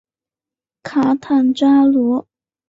卡坦扎罗。